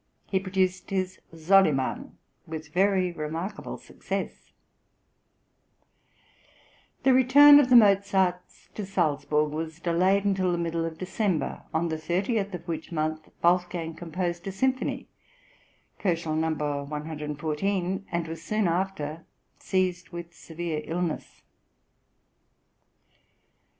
He produced his "Soliman" with very remarkable success. The return of the Mozarts to Salzburg was delayed until the middle of December, on the 30th of which month Wolfgang composed a symphony (114 K,), and was soon after seized with severe illness.